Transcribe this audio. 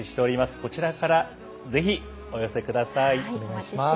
こちらからぜひ、お寄せください。